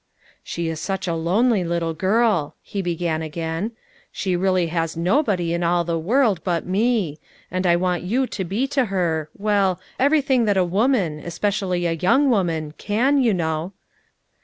"She is such a lonely little girl," he began again. < c She really has nobody in all the world, but me; and I want you to be to her— well, everything that a woman, especially a young woman, can, you know."